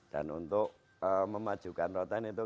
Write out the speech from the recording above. dan untuk memajukan rotan itu